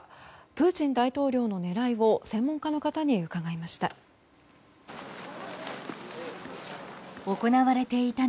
プーチン大統領の狙いを専門家の方に伺いました。